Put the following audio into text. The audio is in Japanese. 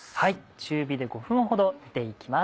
中火で５分ほど煮て行きます。